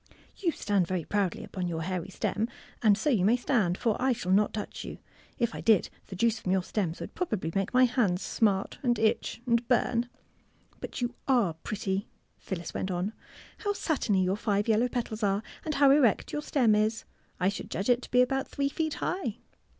'' You stand very proudly upon your hairy stem. And so you may stand, for I shall not touch you. If I did, the juice from your stems would probably make my hands smart and itch and burn. *^ But you are pretty," Phyllis went on. *^ How satiny your five yeUow petals are, and how erect your stem is! I should judge it to be about three feet high."